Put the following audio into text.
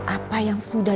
apa yang sudah